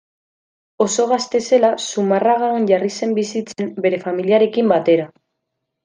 Oso gazte zela Zumarragan jarri zen bizitzen bere familiarekin batera.